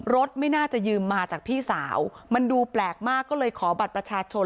ไม่น่าจะยืมมาจากพี่สาวมันดูแปลกมากก็เลยขอบัตรประชาชน